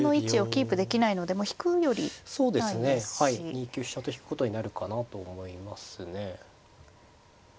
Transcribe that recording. ２九飛車と引くことになるかなと思いますね。